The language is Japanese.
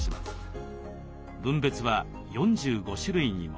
分別は４５種類にも。